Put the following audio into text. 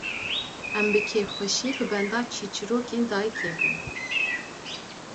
Em bi kêfxweşî li benda çîrçîrokên dayîkê bûn